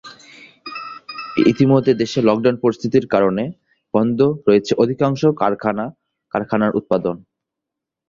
ইতোমধ্যে দেশের লকডাউন পরিস্থিতির কারণে বন্ধ রয়েছে অধিকাংশ কারখানার উৎপাদন।